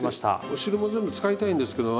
お汁も全部使いたいんですけど